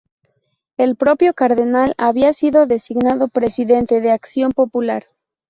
El propio cardenal había sido designado presidente de Acción Popular.